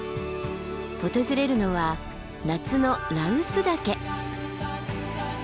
訪れるのは夏の羅臼岳。